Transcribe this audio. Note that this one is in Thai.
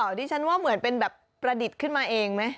ดิฉันว่าเหมือนเป็นแบบประดิษฐ์ขึ้นมาเองไหม